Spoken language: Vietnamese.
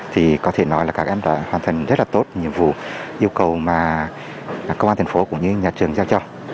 thì có thể nói là các em đã hoàn thành rất là tốt nhiệm vụ yêu cầu mà công an thành phố cũng như nhà trường giao cho